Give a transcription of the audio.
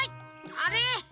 あれ？